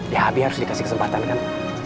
ya habi harus dikasih kesempatan kan